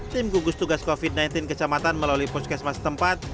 tim gugus tugas covid sembilan belas kecamatan melalui puskesmas tempat